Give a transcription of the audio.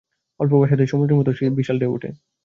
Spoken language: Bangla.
অল্প বাতাসেই সমুদ্রের মতো বিশাল ঢেউ ওঠে।